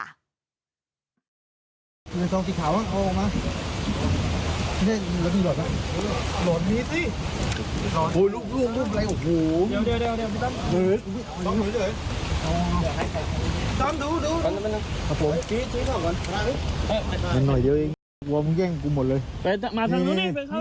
มันหน่อยเยอะเองว่ามึงแย่งกูหมดเลยไปเข้าล่างนู้นดิ